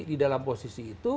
di dalam posisi itu